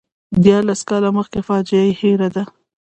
دیارلس کاله مخکې فاجعه یې هېره ده.